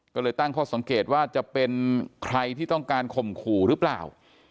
ก็เลยตั้งข้อสังเกตว่าจะเป็นใครที่ต้องการข่มขู่หรือเปล่า